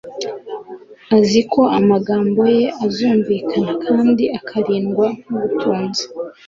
azi ko amagambo ye azumvikana kandi akarindwa nk'ubutunzi.